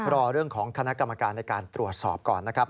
รอเรื่องของคณะกรรมการในการตรวจสอบก่อนนะครับ